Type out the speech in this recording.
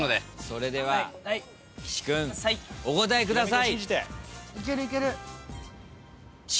それでは岸君お答えください。